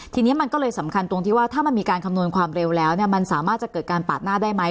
ทีนี้มันก็เลยสำคัญตรงที่ว่าถ้ามันมีการคำนวณความเร็วแล้วมันสามารถจะเกิดการปาดหน้าได้ไหม